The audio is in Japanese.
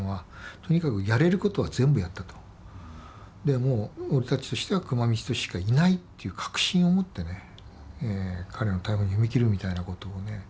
もう俺たちとしては久間三千年しかいないっていう確信を持ってね彼の逮捕に踏み切るみたいなことをね。